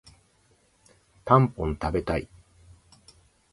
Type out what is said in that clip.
たんぽん食べたい